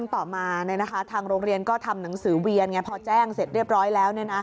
ต่อมาทางโรงเรียนก็ทำหนังสือเวียนไงพอแจ้งเสร็จเรียบร้อยแล้ว